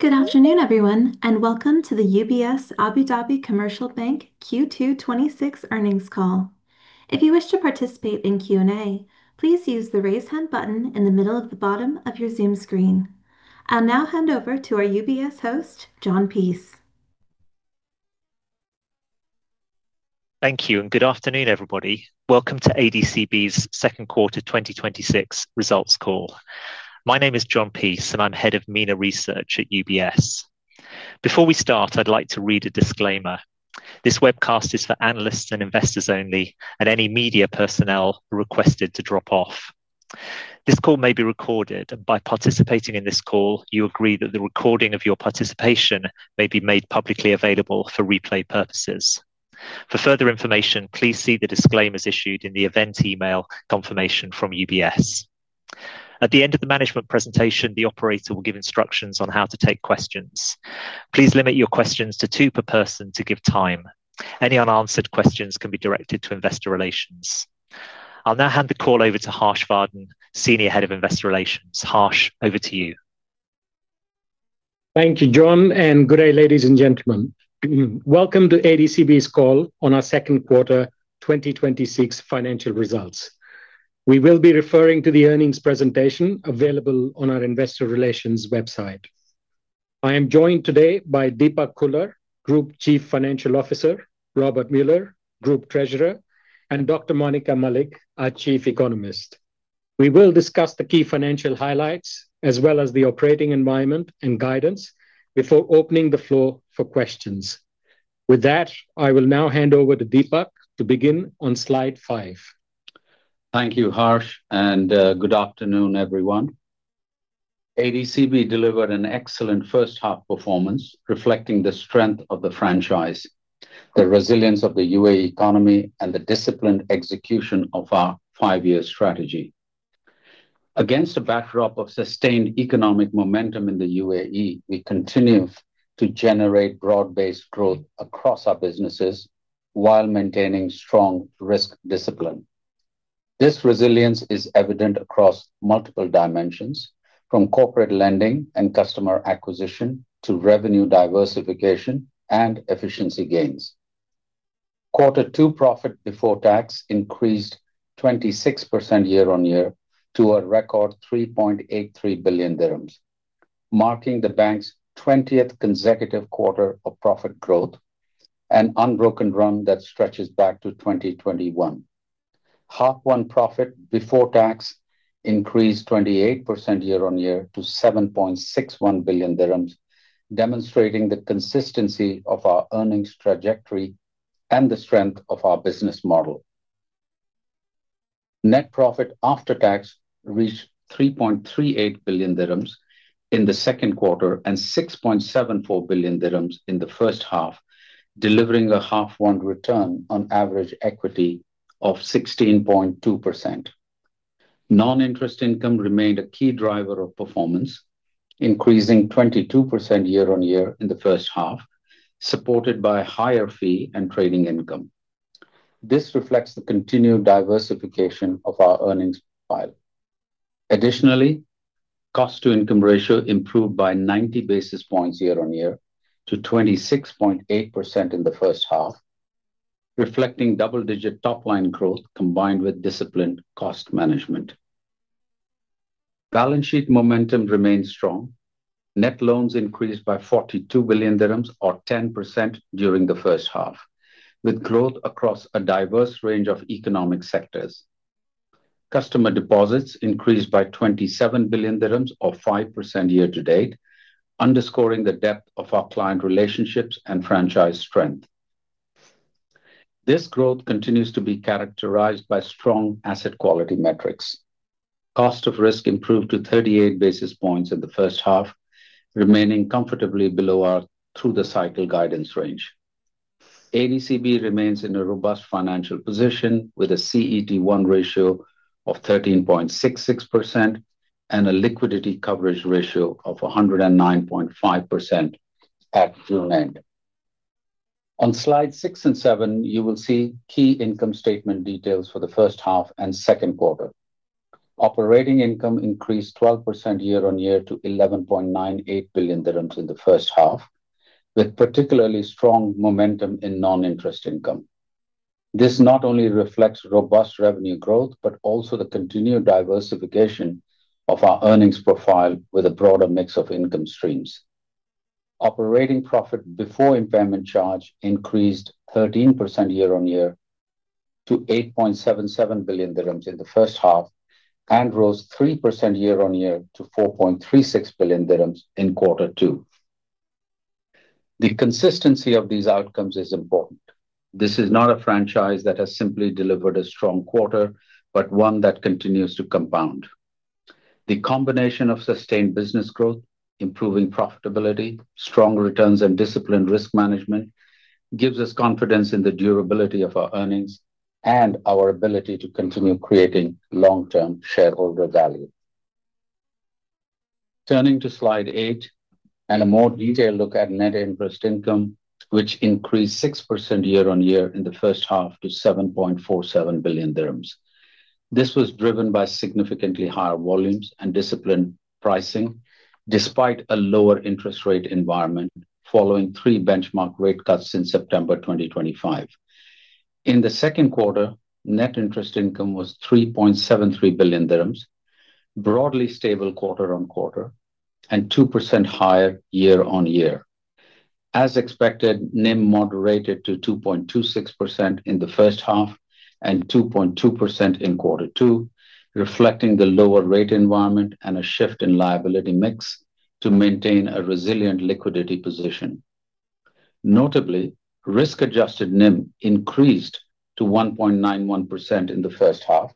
Good afternoon, everyone, welcome to the UBS Abu Dhabi Commercial Bank Q2 2026 earnings call. If you wish to participate in Q&A, please use the raise hand button in the middle of the bottom of your Zoom screen. I will now hand over to our UBS host, John Peace. Thank you, good afternoon, everybody. Welcome to ADCB's second quarter 2026 results call. My name is John Peace, I am Head of MENA Research at UBS. Before we start, I would like to read a disclaimer. This webcast is for analysts and investors only, any media personnel are requested to drop off. This call may be recorded, by participating in this call, you agree that the recording of your participation may be made publicly available for replay purposes. For further information, please see the disclaimers issued in the event email confirmation from UBS. At the end of the management presentation, the operator will give instructions on how to take questions. Please limit your questions to two per person to give time. Any unanswered questions can be directed to investor relations. I will now hand the call over to Harsh Vardhan, Senior Head of Investor Relations. Harsh, over to you. Thank you, John, good day, ladies and gentlemen. Welcome to ADCB's call on our second quarter 2026 financial results. We will be referring to the earnings presentation available on our investor relations website. I am joined today by Deepak Khullar, Group Chief Financial Officer, Robbert Muller, Group Treasurer, and Dr. Monica Malik, our Chief Economist. We will discuss the key financial highlights, as well as the operating environment and guidance before opening the floor for questions. With that, I will now hand over to Deepak to begin on slide five. Thank you, Harsh, good afternoon, everyone. ADCB delivered an excellent first half performance reflecting the strength of the franchise, the resilience of the UAE economy, and the disciplined execution of our five-year strategy. Against a backdrop of sustained economic momentum in the UAE, we continue to generate broad-based growth across our businesses while maintaining strong risk discipline. This resilience is evident across multiple dimensions, from corporate lending and customer acquisition to revenue diversification and efficiency gains. Quarter two profit before tax increased 26% year-on-year to a record 3.83 billion dirhams, marking the bank's 20th consecutive quarter of profit growth, an unbroken run that stretches back to 2021. Half one profit before tax increased 28% year-on-year to 7.61 billion dirhams, demonstrating the consistency of our earnings trajectory and the strength of our business model. Net profit after tax reached 3.38 billion dirhams in the second quarter and 6.74 billion dirhams in the first half, delivering a half one return on average equity of 16.2%. Non-interest income remained a key driver of performance, increasing 22% year-on-year in the first half, supported by higher fee and trading income. This reflects the continued diversification of our earnings profile. Additionally, cost-to-income ratio improved by 90 basis points year-on-year to 26.8% in the first half, reflecting double-digit top-line growth combined with disciplined cost management. Balance sheet momentum remains strong. Net loans increased by 42 billion dirhams or 10% during the first half, with growth across a diverse range of economic sectors. Customer deposits increased by 27 billion dirhams or 5% year-to-date, underscoring the depth of our client relationships and franchise strength. This growth continues to be characterized by strong asset quality metrics. Cost of risk improved to 38 basis points in the first half, remaining comfortably below our through the cycle guidance range. ADCB remains in a robust financial position with a CET1 ratio of 13.66% and a liquidity coverage ratio of 109.5% at June-end. On slide six and seven, you will see key income statement details for the first half and second quarter. Operating income increased 12% year-on-year to 11.98 billion dirhams in the first half, with particularly strong momentum in non-interest income. This not only reflects robust revenue growth, but also the continued diversification of our earnings profile with a broader mix of income streams. Operating profit before impairment charge increased 13% year-on-year to 8.77 billion dirhams in the first half and rose 3% year-on-year to 4.36 billion dirhams in quarter two. The consistency of these outcomes is important. This is not a franchise that has simply delivered a strong quarter, but one that continues to compound. The combination of sustained business growth, improving profitability, strong returns, and disciplined risk management gives us confidence in the durability of our earnings and our ability to continue creating long-term shareholder value. Turning to slide eight and a more detailed look at net interest income. Which increased 6% year-on-year in the first half to 7.47 billion dirhams. This was driven by significantly higher volumes and disciplined pricing, despite a lower interest rate environment following three benchmark rate cuts in September 2025. In the second quarter, net interest income was 3.73 billion dirhams, broadly stable quarter-on-quarter, and 2% higher year-on-year. As expected, NIM moderated to 2.26% in the first half and 2.2% in quarter two, reflecting the lower rate environment and a shift in liability mix to maintain a resilient liquidity position. Notably, risk-adjusted NIM increased to 1.91% in the first half.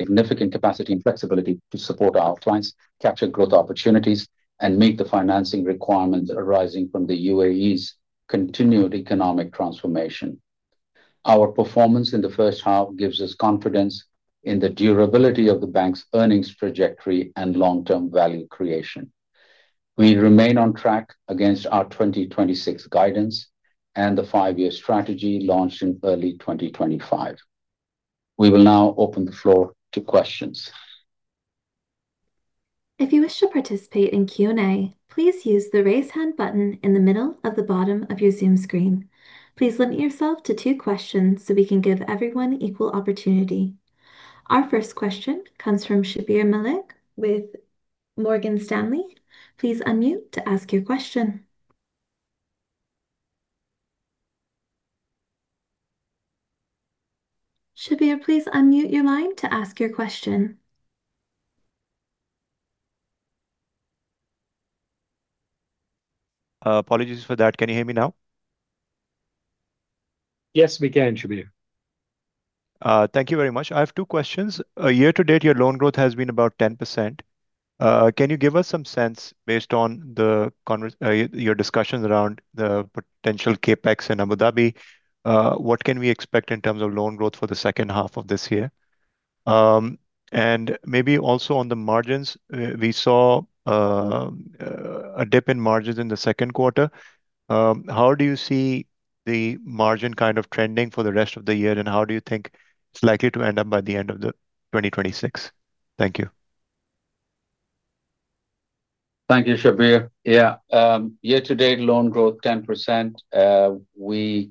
Significant capacity and flexibility to support our clients, capture growth opportunities, and meet the financing requirements arising from the U.A.E.'s continued economic transformation. Our performance in the first half gives us confidence in the durability of the bank's earnings trajectory and long-term value creation. We remain on track against our 2026 guidance and the five-year strategy launched in early 2025. We will now open the floor to questions. If you wish to participate in Q&A, please use the raise hand button in the middle of the bottom of your Zoom screen. Please limit yourself to two questions so we can give everyone equal opportunity. Our first question comes from Shabbir Malik with Morgan Stanley. Please unmute to ask your question. Shabbir, please unmute your line to ask your question. Apologies for that. Can you hear me now? Yes, we can, Shabbir. Thank you very much. I have two questions. Year to date, your loan growth has been about 10%. Can you give us some sense, based on your discussions around the potential CapEx in Abu Dhabi, what can we expect in terms of loan growth for the second half of this year? Maybe also on the margins, we saw a dip in margins in the second quarter. How do you see the margin trending for the rest of the year, and how do you think it's likely to end up by the end of 2026? Thank you. Thank you, Shabbir. Year to date, loan growth 10%. We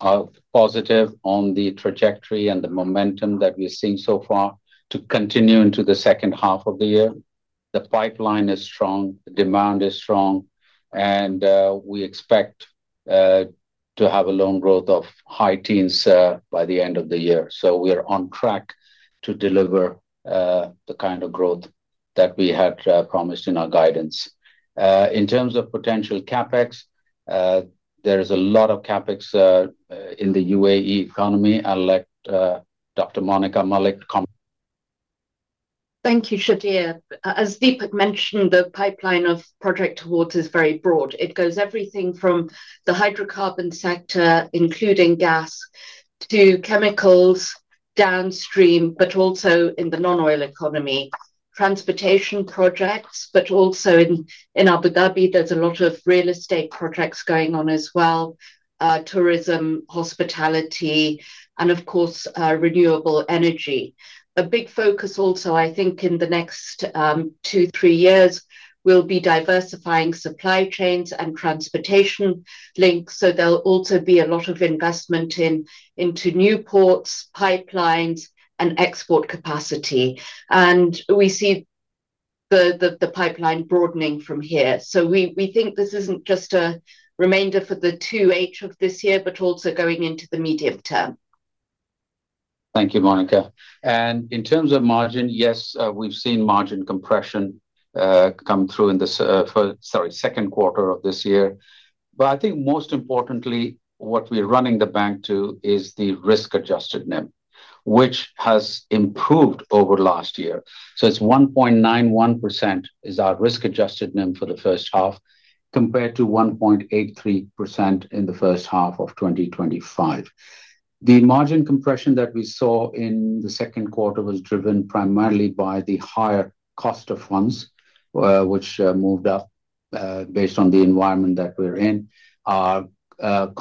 are positive on the trajectory and the momentum that we're seeing so far to continue into the second half of the year. The pipeline is strong, demand is strong, and we expect to have a loan growth of high teens by the end of the year. We are on track to deliver the kind of growth that we had promised in our guidance. In terms of potential CapEx, there is a lot of CapEx in the UAE economy. I'll let Dr. Monica Malik comment Thank you, Shabbir. As Deepak mentioned, the pipeline of project awards is very broad. It goes everything from the hydrocarbon sector, including gas, to chemicals downstream, but also in the non-oil economy, transportation projects, but also in Abu Dhabi, there's a lot of real estate projects going on as well, tourism, hospitality, and of course, renewable energy. A big focus also, I think, in the next two, three years will be diversifying supply chains and transportation links. There'll also be a lot of investment into new ports, pipelines, and export capacity. We see the pipeline broadening from here. We think this isn't just a remainder for the 2H of this year, but also going into the medium term. Thank you, Monica. In terms of margin, yes, we've seen margin compression, come through in the second quarter of this year. I think most importantly, what we're running the bank to is the risk-adjusted NIM, which has improved over last year. It's 1.91% is our risk-adjusted NIM for the first half, compared to 1.83% in the first half of 2025. The margin compression that we saw in the second quarter was driven primarily by the higher cost of funds, which moved up based on the environment that we're in. Our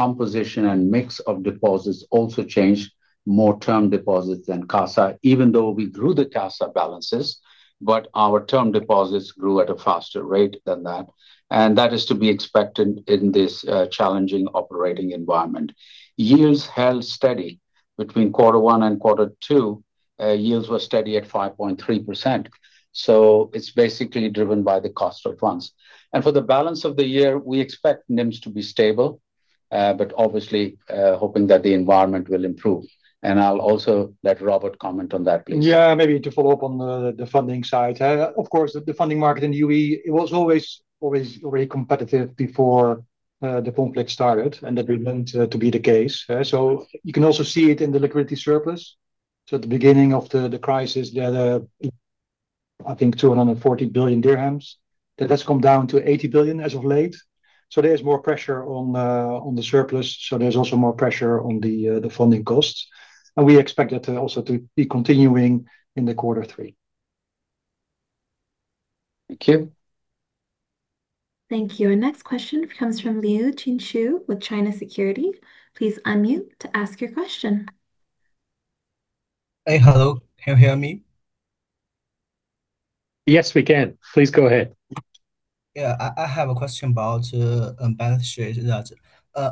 composition and mix of deposits also changed, more term deposits than CASA, even though we grew the CASA balances, but our term deposits grew at a faster rate than that. That is to be expected in this challenging operating environment. Yields held steady between quarter one and quarter two. Yields were steady at 5.3%. It's basically driven by the cost of funds. For the balance of the year, we expect NIMs to be stable, obviously, hoping that the environment will improve. I'll also let Robbert comment on that, please. Yeah, maybe to follow up on the funding side. Of course, the funding market in the UAE, it was always very competitive before the conflict started, and that remains to be the case. You can also see it in the liquidity surplus. At the beginning of the crisis, there was, I think 240 billion dirhams. That has come down to 80 billion AED as of late. There is more pressure on the surplus, there's also more pressure on the funding costs. We expect that to also to be continuing into quarter three. Thank you. Thank you. Our next question comes from Liu Chinchu with China Securities. Please unmute to ask your question. Hey. Hello. Can you hear me? Yes, we can. Please go ahead. Yeah. I have a question about the balance sheet.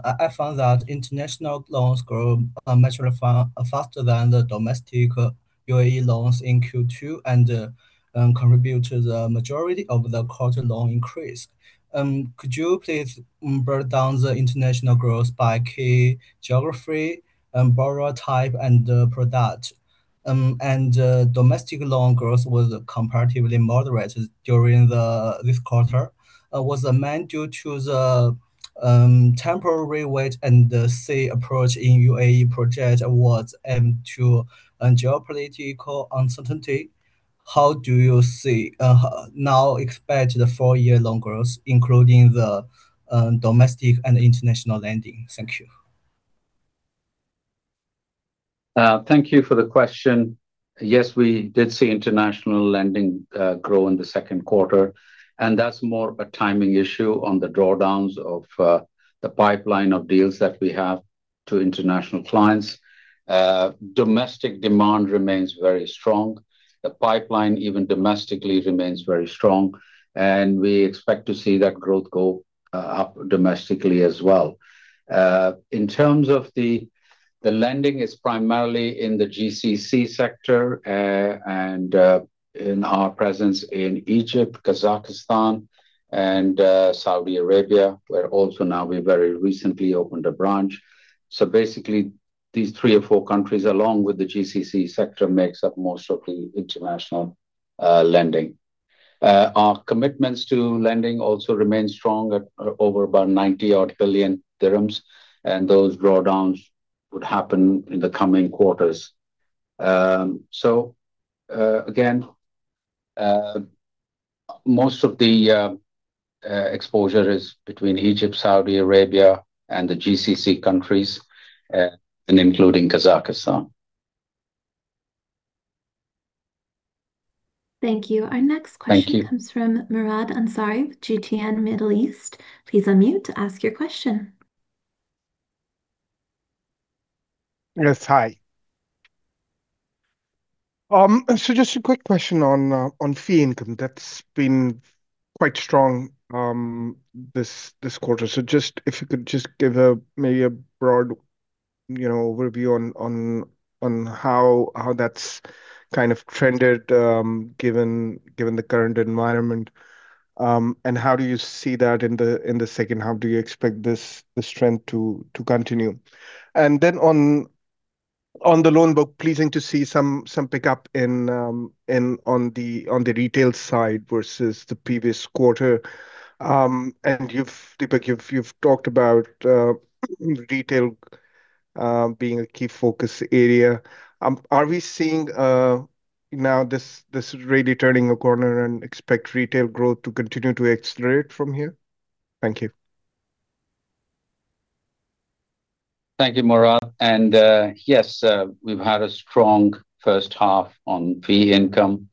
I found that international loans grew much faster than the domestic UAE loans in Q2 and contribute to the majority of the quarter loan increase. Could you please break down the international growth by key geography and borrower type and product? Domestic loan growth was comparatively moderate during this quarter. Was the main due to the temporary wait-and-see approach in UAE project awards and to geopolitical uncertainty. How do you see, now expect the four-year loan growth, including the domestic and international lending? Thank you. Thank you for the question. Yes, we did see international lending grow in the second quarter, and that's more of a timing issue on the drawdowns of the pipeline of deals that we have to international clients. Domestic demand remains very strong. The pipeline, even domestically, remains very strong, and we expect to see that growth go up domestically as well. In terms of the lending, is primarily in the GCC sector, and in our presence in Egypt, Kazakhstan, and Saudi Arabia, where also now we very recently opened a branch. Basically, these three or four countries, along with the GCC sector, makes up most of the international lending. Our commitments to lending also remain strong at over about 90 odd billion, and those drawdowns would happen in the coming quarters. Again, most of the exposure is between Egypt, Saudi Arabia, and the GCC countries, and including Kazakhstan. Thank you. Our next question. Thank you. comes from Murad Ansari with GTN Middle East. Please unmute to ask your question. Yes. Hi. Just a quick question on fee income that's been quite strong this quarter. If you could just give maybe a broad overview on how that's trended, given the current environment, and how do you see that in the second half? Do you expect this strength to continue? Then on the loan book, pleasing to see some pickup on the retail side versus the previous quarter. Deepak, you've talked about retail being a key focus area. Are we seeing now this really turning a corner and expect retail growth to continue to accelerate from here? Thank you. Thank you, Murad. Yes, we've had a strong first half on fee income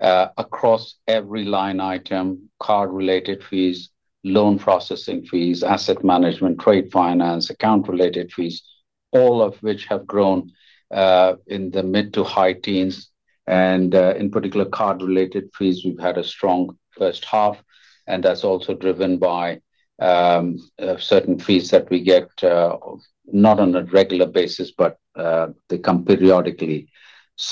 across every line item, card-related fees, loan processing fees, asset management, trade finance, account-related fees, all of which have grown in the mid to high teens. In particular card-related fees, we've had a strong first half, and that's also driven by certain fees that we get not on a regular basis, but they come periodically.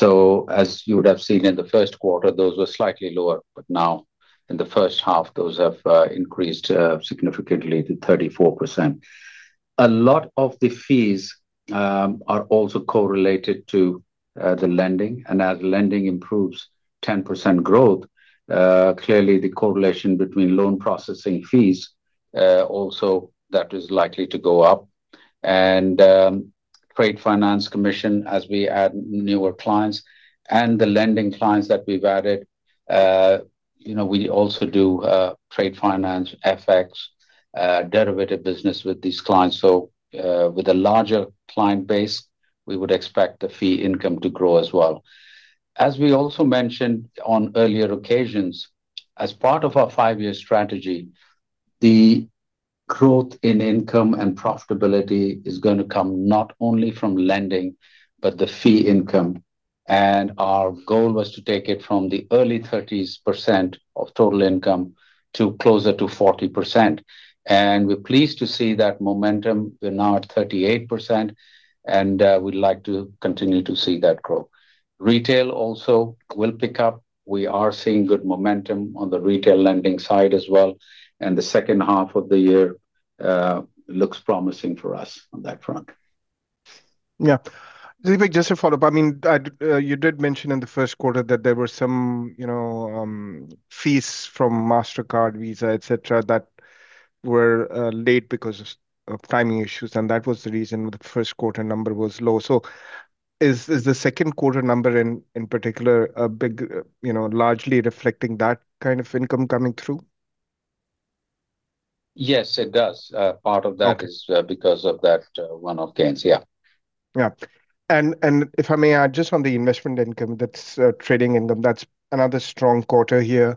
As you would have seen in the first quarter, those were slightly lower. Now in the first half, those have increased significantly to 34%. A lot of the fees are also correlated to the lending, as lending improves 10% growth, clearly the correlation between loan processing fees also that is likely to go up. Trade finance commission, as we add newer clients and the lending clients that we've added, we also do trade finance, FX, derivative business with these clients. With a larger client base, we would expect the fee income to grow as well. As we also mentioned on earlier occasions, as part of our five-year strategy, the growth in income and profitability is going to come not only from lending, but the fee income. Our goal was to take it from the early 30s% of total income to closer to 40%, we're pleased to see that momentum. We're now at 38%, we'd like to continue to see that grow. Retail also will pick up. We are seeing good momentum on the retail lending side as well, and the second half of the year looks promising for us on that front. Yeah. Deepak, just a follow-up. You did mention in the first quarter that there were some fees from Mastercard, Visa, et cetera, that were late because of timing issues, and that was the reason the first quarter number was low. Is the second quarter number in particular largely reflecting that kind of income coming through? Yes, it does. Okay Is because of that one-off gains. Yeah. Yeah. If I may add, just on the investment income, that's trading income, that's another strong quarter here.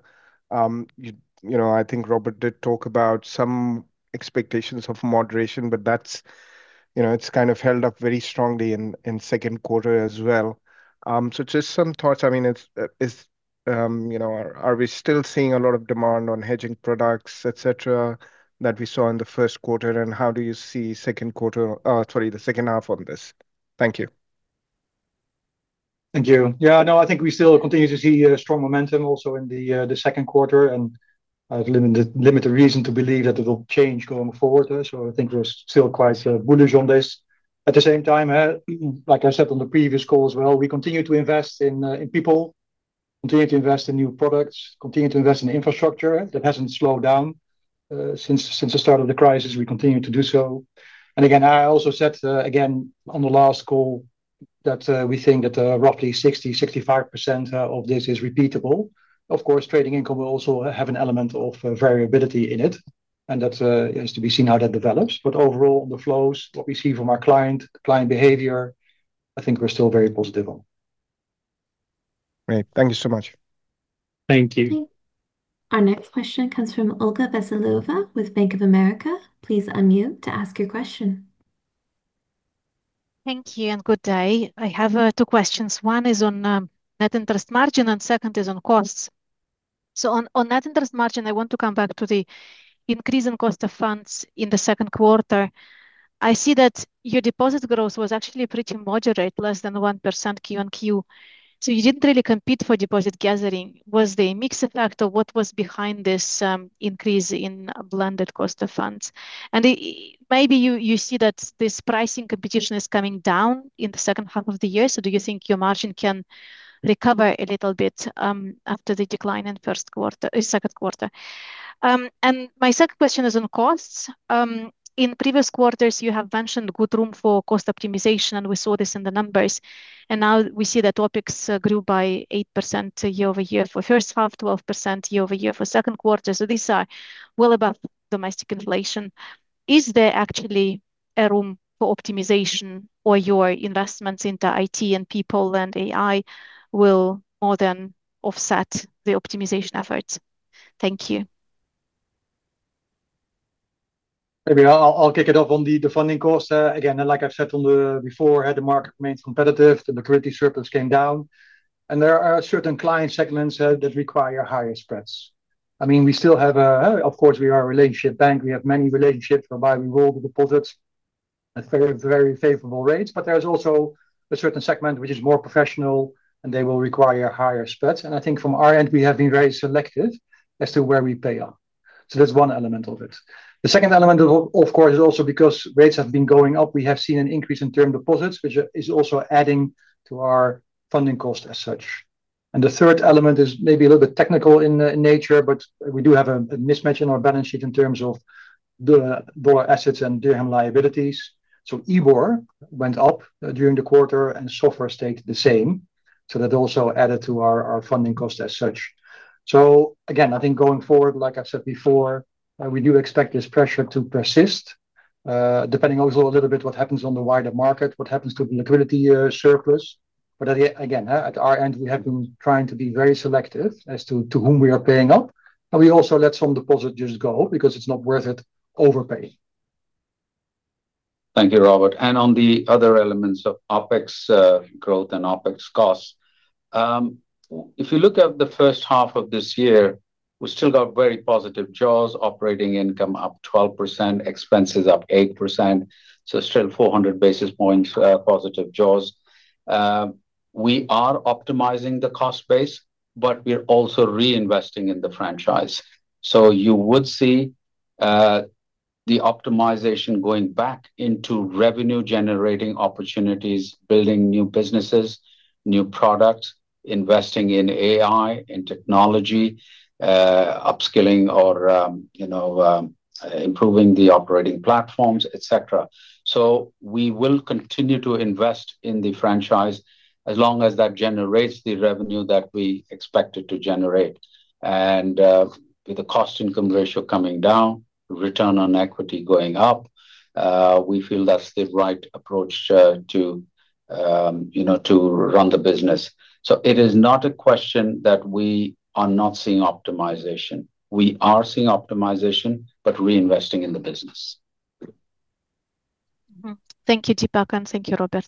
I think Robbert did talk about some expectations of moderation, it's held up very strongly in second quarter as well. Just some thoughts. Are we still seeing a lot of demand on hedging products, et cetera, that we saw in the first quarter, and how do you see the second half on this? Thank you. Thank you. Yeah, no, I think we still continue to see strong momentum also in the second quarter, limited reason to believe that it will change going forward. I think we're still quite bullish on this. At the same time, like I said on the previous call as well, we continue to invest in people, continue to invest in new products, continue to invest in infrastructure. That hasn't slowed down since the start of the crisis, we continue to do so. Again, I also said again on the last call that we think that roughly 60%-65% of this is repeatable. Of course, trading income will also have an element of variability in it, and that is to be seen how that develops. Overall, the flows, what we see from our client, the client behavior, I think we're still very positive on. Great. Thank you so much. Thank you. Our next question comes from Olga Veselova with Bank of America. Please unmute to ask your question. Thank you, and good day. I have two questions. One is on net interest margin, second is on costs. On net interest margin, I want to come back to the increase in cost of funds in the second quarter. I see that your deposit growth was actually pretty moderate, less than 1% Q on Q. You didn't really compete for deposit gathering. Was the mix effect or what was behind this increase in blended cost of funds? Maybe you see that this pricing competition is coming down in the second half of the year. Do you think your margin can recover a little bit after the decline in first quarter, second quarter? My second question is on costs. In previous quarters you have mentioned good room for cost optimization, and we saw this in the numbers. Now we see that OpEx grew by 8% year-over-year for first half, 12% year-over-year for second quarter. These are well above domestic inflation. Is there actually a room for optimization or your investments into IT and people and AI will more than offset the optimization efforts? Thank you. Maybe I'll kick it off on the funding cost. Again, and like I've said on the before, the market remains competitive. The liquidity surplus came down, and there are certain client segments that require higher spreads. Of course, we are a relationship bank. We have many relationships whereby we roll the deposits at very favorable rates. There is also a certain segment which is more professional, and they will require higher spreads. I think from our end, we have been very selective as to where we pay up. That's one element of it. The second element, of course, is also because rates have been going up, we have seen an increase in term deposits, which is also adding to our funding cost as such. The third element is maybe a little bit technical in nature, but we do have a mismatch in our balance sheet in terms of dollar assets and dirham liabilities. EIBOR went up during the quarter and SOFR stayed the same, so that also added to our funding cost as such. Again, I think going forward, like I said before, we do expect this pressure to persist, depending also a little bit what happens on the wider market, what happens to the liquidity surplus. Again, at our end, we have been trying to be very selective as to whom we are paying up. We also let some deposit just go because it's not worth it overpay. Thank you, Robbert. On the other elements of OpEx growth and OpEx costs, if you look at the first half of this year, we still got very positive jaws, operating income up 12%, expenses up 8%, so still 400 basis points positive jaws. We are optimizing the cost base, but we're also reinvesting in the franchise. You would see the optimization going back into revenue generating opportunities, building new businesses, new products, investing in AI, in technology, upskilling or improving the operating platforms, et cetera. We will continue to invest in the franchise as long as that generates the revenue that we expect it to generate. With the cost income ratio coming down, return on equity going up, we feel that's the right approach to run the business. It is not a question that we are not seeing optimization. We are seeing optimization, but reinvesting in the business. Thank you, Deepak Khullar. Thank you, Robbert Muller.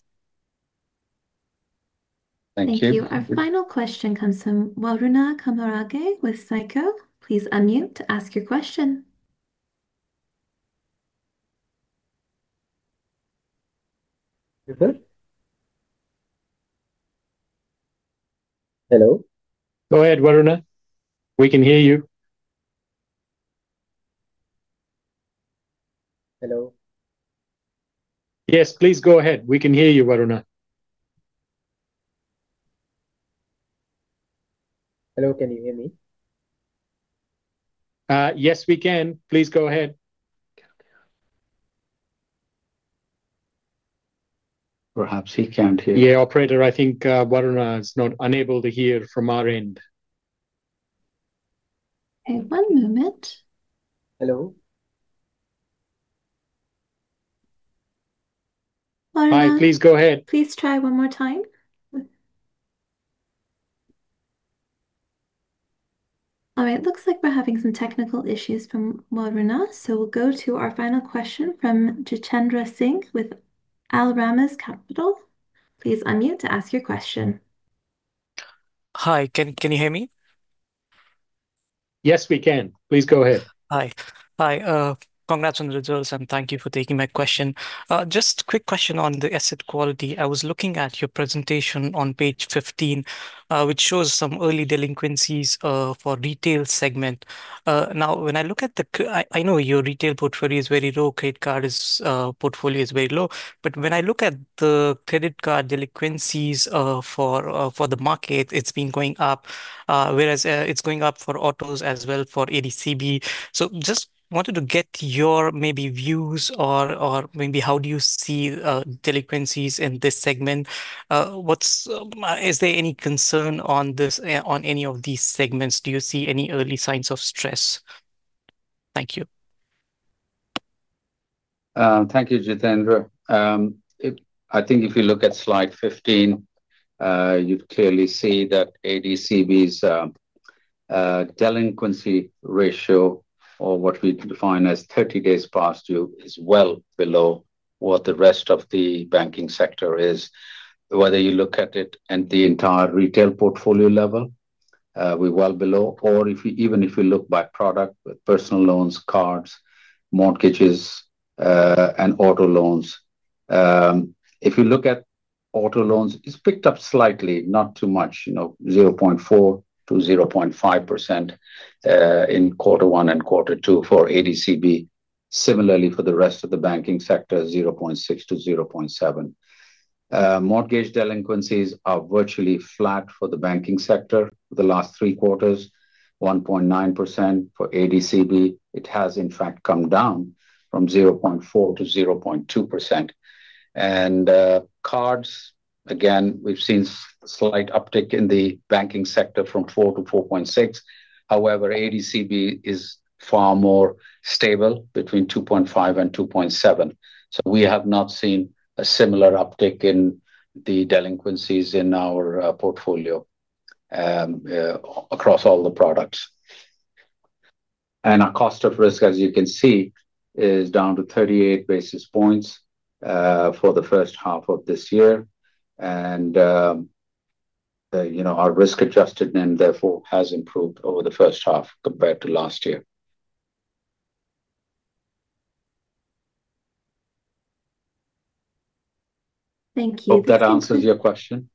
Thank you. Thank you. Our final question comes from Waruna Kamarage with SICO. Please unmute to ask your question. Robbert? Hello? Go ahead, Waruna. We can hear you. Hello? Yes, please go ahead. We can hear you, Waruna. Hello, can you hear me? Yes, we can. Please go ahead. Perhaps he can't hear. Yeah, operator, I think Waruna is not unable to hear from our end. One moment. Hello? Waruna- Please go ahead. Please try one more time. All right, looks like we're having some technical issues from Waruna. We'll go to our final question from Jitendra Singh with Al Ramz Capital. Please unmute to ask your question. Hi, can you hear me? Yes, we can. Please go ahead. Hi. Congrats on the results, and thank you for taking my question. Just quick question on the asset quality. I was looking at your presentation on page 15, which shows some early delinquencies, for retail segment. When I look at, I know your retail portfolio is very low, credit card portfolio is very low. When I look at the credit card delinquencies, for the market, it's been going up, whereas it's going up for autos as well for ADCB. Just wanted to get your maybe views or maybe how do you see delinquencies in this segment. Is there any concern on any of these segments? Do you see any early signs of stress? Thank you. Thank you, Jitendra. I think if you look at slide 15, you clearly see that ADCB's delinquency ratio, or what we define as 30 days past due, is well below what the rest of the banking sector is. Whether you look at it at the entire retail portfolio level, we're well below. Or even if you look by product, personal loans, cards, mortgages, and auto loans. If you look at auto loans, it's picked up slightly, not too much, 0.4%-0.5% in quarter one and quarter two for ADCB. Similarly, for the rest of the banking sector, 0.6%-0.7%. Mortgage delinquencies are virtually flat for the banking sector for the last three quarters, 1.9% for ADCB. It has in fact come down from 0.4%-0.2%. Cards, again, we've seen slight uptick in the banking sector from 4%-4.6%. ADCB is far more stable between 2.5%-2.7%. We have not seen a similar uptick in the delinquencies in our portfolio across all the products. Our cost of risk, as you can see, is down to 38 basis points for the first half of this year. Our risk-adjusted then therefore has improved over the first half compared to last year. Thank you. Hope that answers your question.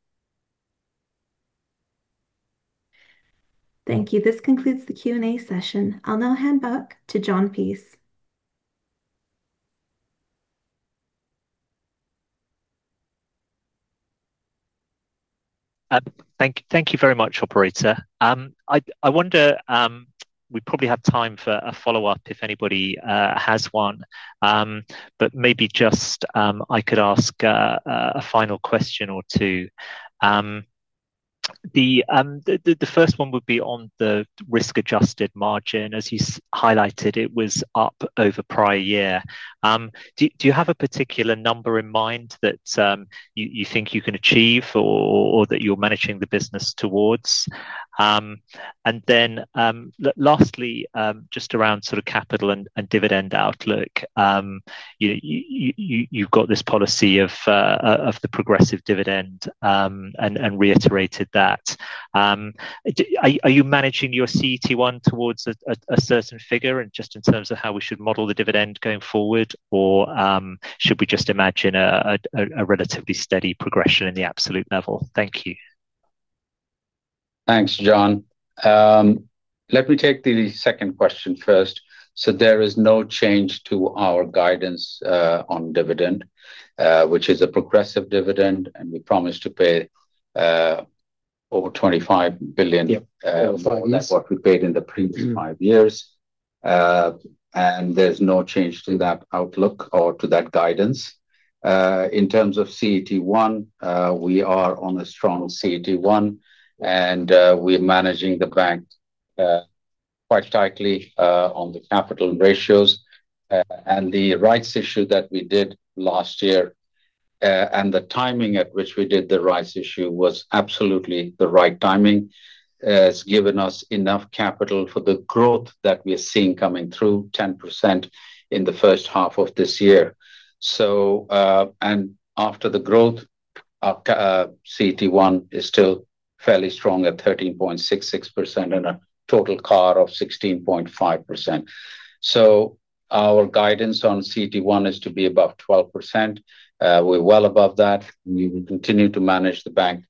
Thank you. This concludes the Q&A session. I'll now hand back to John Peace. Thank you very much, operator. I wonder, we probably have time for a follow-up if anybody has one, but maybe just I could ask a final question or two. Lastly, just around capital and dividend outlook. You've got this policy of the progressive dividend, and reiterated that. Are you managing your CET1 towards a certain figure and just in terms of how we should model the dividend going forward, or should we just imagine a relatively steady progression in the absolute level? Thank you. Thanks, John. Let me take the second question first. There is no change to our guidance on dividend, which is a progressive dividend, and we promise to pay over 25 billion- Yeah. AED 25, yes more than what we paid in the previous five years. There's no change to that outlook or to that guidance. In terms of CET1, we are on a strong CET1, and we're managing the bank quite tightly on the capital ratios. The rights issue that we did last year, and the timing at which we did the rights issue was absolutely the right timing. It's given us enough capital for the growth that we are seeing coming through 10% in the first half of this year. After the growth, our CET1 is still fairly strong at 13.66% and a total CAR of 16.5%. Our guidance on CET1 is to be above 12%. We're well above that. We will continue to manage the bank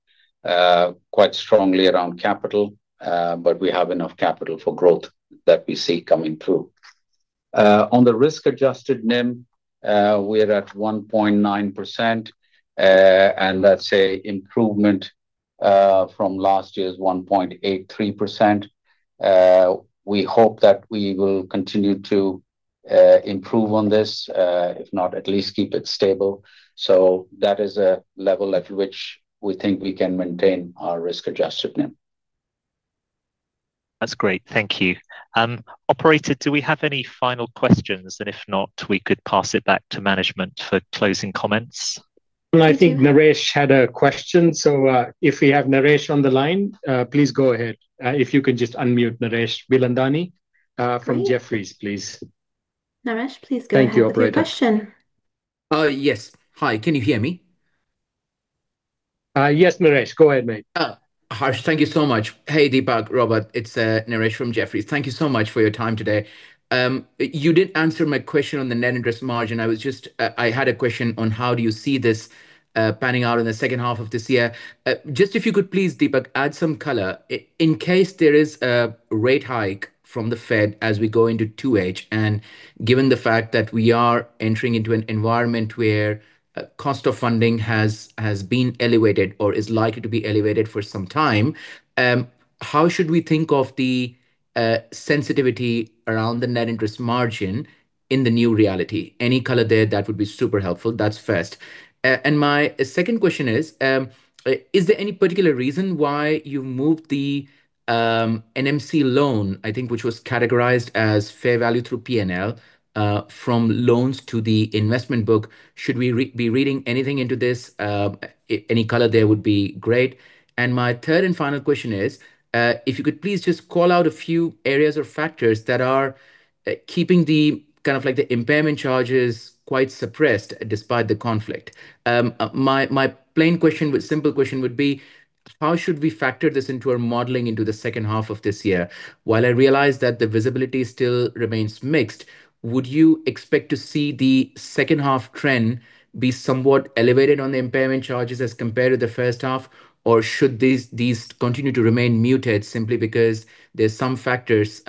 quite strongly around capital, but we have enough capital for growth that we see coming through. On the risk-adjusted NIM, we're at 1.9%. That's an improvement from last year's 1.83%. We hope that we will continue to improve on this, if not, at least keep it stable. That is a level at which we think we can maintain our risk-adjusted NIM. That's great. Thank you. Operator, do we have any final questions? If not, we could pass it back to management for closing comments. I think Naresh had a question. If we have Naresh on the line, please go ahead. If you could just unmute Naresh Bilandani from Jefferies, please. Naresh, please go ahead with your question. Thank you, operator. Yes. Hi, can you hear me? Yes, Naresh. Go ahead, mate. Harsh. Thank you so much. Deepak, Robbert. It's Naresh from Jefferies. Thank you so much for your time today. You did answer my question on the net interest margin. I had a question on how do you see this panning out in the second half of this year. Just if you could please, Deepak, add some color. In case there is a rate hike from the Fed as we go into 2H, and given the fact that we are entering into an environment where cost of funding has been elevated or is likely to be elevated for some time, how should we think of the sensitivity around the net interest margin in the new reality? Any color there, that would be super helpful. That's first. My second question is there any particular reason why you moved the NMC loan, I think which was categorized as fair value through P&L, from loans to the investment book? Should we be reading anything into this? Any color there would be great. My third and final question is, if you could please just call out a few areas or factors that are keeping the impairment charges quite suppressed despite the conflict. My plain question, simple question would be, how should we factor this into our modeling into the second half of this year? While I realize that the visibility still remains mixed, would you expect to see the second half trend be somewhat elevated on the impairment charges as compared to the first half, or should these continue to remain muted simply because there's some factors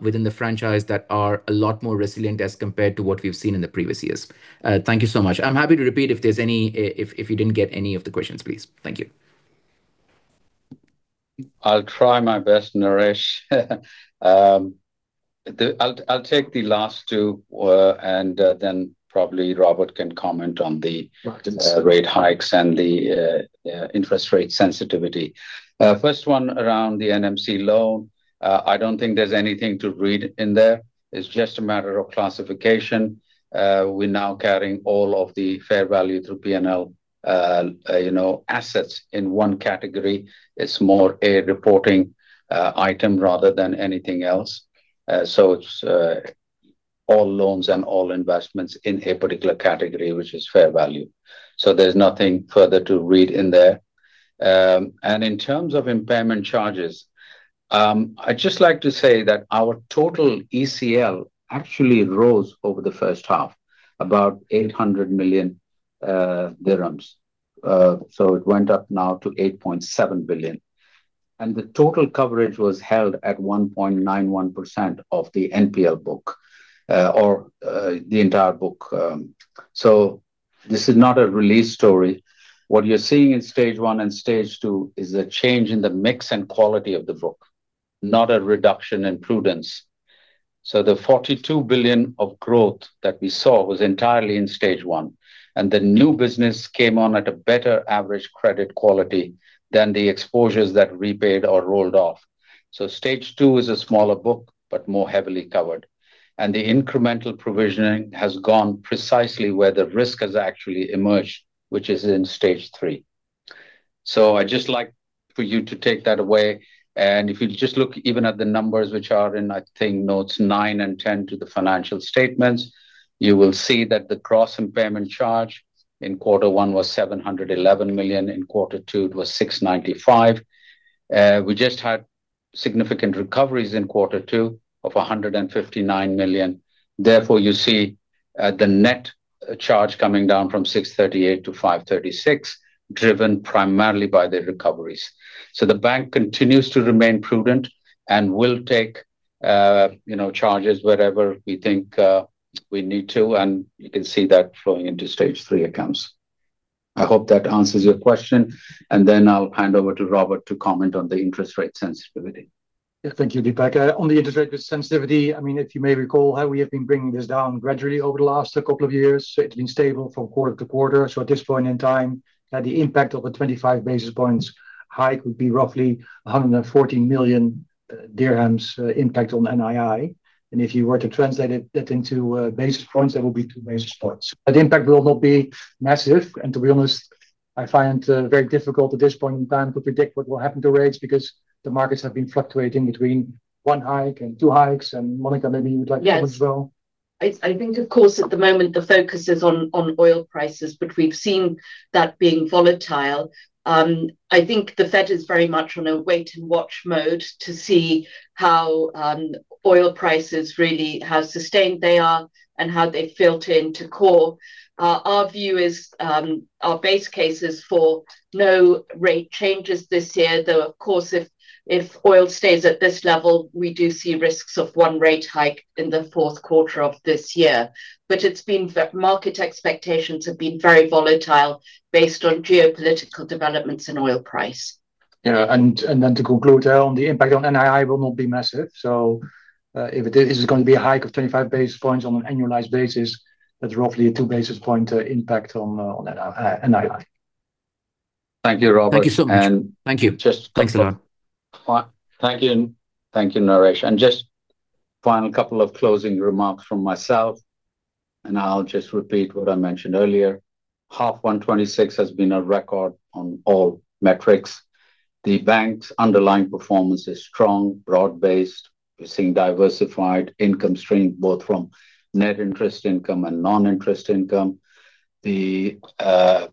within the franchise that are a lot more resilient as compared to what we've seen in the previous years? Thank you so much. I'm happy to repeat if you didn't get any of the questions, please. Thank you. I'll try my best, Naresh. I'll take the last two, probably Robbert can comment on the. Right rate hikes and the interest rate sensitivity. First one around the NMC loan, I don't think there's anything to read in there. It's just a matter of classification. We're now carrying all of the fair value through P&L assets in one category. It's more a reporting item rather than anything else. It's all loans and all investments in a particular category, which is fair value. There's nothing further to read in there. In terms of impairment charges, I'd just like to say that our total ECL actually rose over the first half, about 800 million dirhams. It went up now to 8.7 billion. The total coverage was held at 1.91% of the NPL book, or the entire book. This is not a release story. What you're seeing in stage one and stage two is a change in the mix and quality of the book, not a reduction in prudence. The 42 billion of growth that we saw was entirely in stage one, and the new business came on at a better average credit quality than the exposures that repaid or rolled off. So stage two is a smaller book, but more heavily covered. The incremental provisioning has gone precisely where the risk has actually emerged, which is in stage three. I'd just like for you to take that away. If you just look even at the numbers, which are in, I think, notes nine and 10 to the financial statements, you will see that the gross impairment charge in quarter one was 711 million. In quarter two, it was 695. We just had significant recoveries in quarter two of 159 million. Therefore, you see the net charge coming down from 638 to 536, driven primarily by the recoveries. The bank continues to remain prudent and will take charges wherever we think we need to, and you can see that flowing into stage three accounts. I hope that answers your question. I'll hand over to Robbert to comment on the interest rate sensitivity. Yeah, thank you, Deepak. On the interest rate sensitivity, if you may recall how we have been bringing this down gradually over the last couple of years. It's been stable from quarter to quarter. At this point in time, the impact of a 25 basis points hike would be roughly 114 million dirhams impact on NII. If you were to translate it, that into basis points, that will be two basis points. The impact will not be massive, and to be honest, I find it very difficult at this point in time to predict what will happen to rates because the markets have been fluctuating between one hike and two hikes. Monica, maybe you would like to comment as well. Yes. I think, of course, at the moment, the focus is on oil prices, but we've seen that being volatile. I think the Fed is very much on a wait-and-watch mode to see how oil prices really, how sustained they are and how they filter into core. Our base case is for no rate changes this year, though, of course, if oil stays at this level, we do see risks of one rate hike in the fourth quarter of this year. It's been that market expectations have been very volatile based on geopolitical developments and oil price. Yeah. To conclude on the impact on NII will not be massive. If it is going to be a hike of 25 basis points on an annualized basis, that's roughly a two basis point impact on NII. Thank you, Robbert. Thank you so much. Thank you. Thanks a lot Thank you, Naresh. Just final couple of closing remarks from myself, and I'll just repeat what I mentioned earlier. Half 1 2026 has been a record on all metrics. The bank's underlying performance is strong, broad-based. We're seeing diversified income stream, both from net interest income and non-interest income. The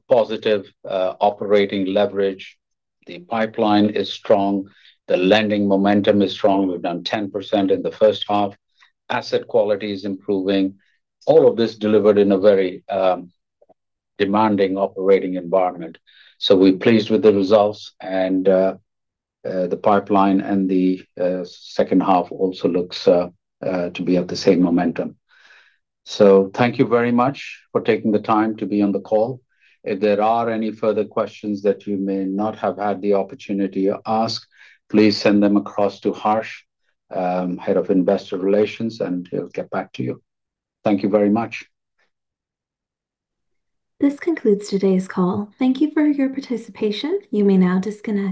positive operating leverage. The pipeline is strong, the lending momentum is strong. We've done 10% in the first half. Asset quality is improving. All of this delivered in a very demanding operating environment. We're pleased with the results and the pipeline, and the second half also looks to be of the same momentum. Thank you very much for taking the time to be on the call. If there are any further questions that you may not have had the opportunity to ask, please send them across to Harsh, Head of Investor Relations, and he'll get back to you. Thank you very much. This concludes today's call. Thank you for your participation. You may now disconnect.